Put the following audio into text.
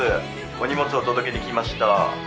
お荷物お届けに来ました